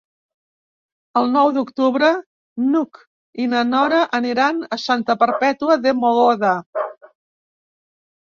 El nou d'octubre n'Hug i na Nora aniran a Santa Perpètua de Mogoda.